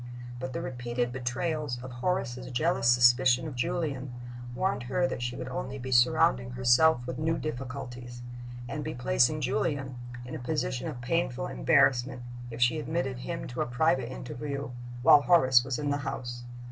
But the repeated betrayals of Horace's jealous suspicion of Julian warned her that she would only be surrounding herself with new difficulties, and be placing Julian in a position of painful embarrassment, if she admitted him to a private interview while Horace was in the house.